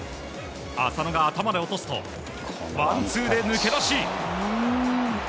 浅野が頭で落とすとワンツーで抜け出し。